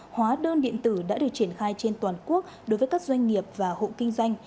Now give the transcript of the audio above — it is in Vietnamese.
hóa đơn điện tử đã được triển khai trên toàn quốc đối với các doanh nghiệp và hộ kinh doanh